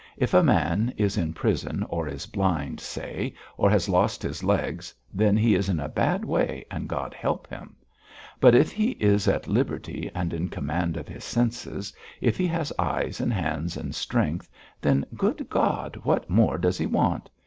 If a man is in prison, or is blind, say, or has lost his legs, then he is in a bad way and God help him; but if he is at liberty and in command of his senses, if he has eyes and hands and strength, then, good God, what more does he want?